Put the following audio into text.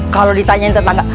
kalau ditanyain tetangga